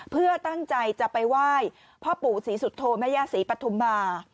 เพื่อตั้งใจจะไปไหว้พ่อปู่ศรีสุโธแม่ย่าศรีปฐุมมา